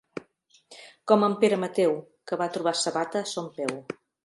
Com en Pere Mateu, que va trobar sabata a son peu.